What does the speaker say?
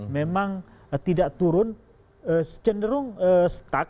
memang tidak turun cenderung stuck